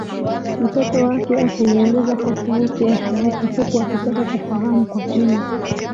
mtoto wake akimuuliza kwa sauti ya shauku huku akitaka Kufahamu kwa kina